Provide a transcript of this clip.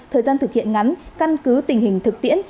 thời gian thực hiện ngắn căn cứ tình hình thực tiễn